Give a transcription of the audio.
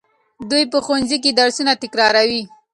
دوی په ښوونځي کې درسونه تکراروي.